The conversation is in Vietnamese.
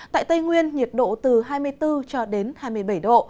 tại tây nguyên nhiệt độ từ hai mươi bốn hai mươi bảy độ